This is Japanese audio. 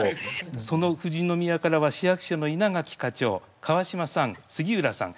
その富士宮からは市役所の稲垣課長川島さん杉浦さん